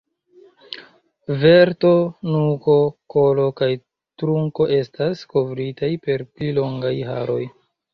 Verto, nuko, kolo kaj trunko estas kovritaj per pli longaj haroj.